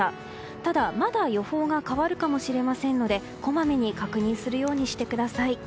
ただ、まだ予報が変わるかもしれませんのでこまめに確認するようにしてください。